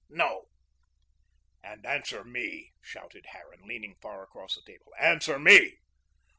"No." "And answer ME," shouted Harran, leaning far across the table, "answer ME.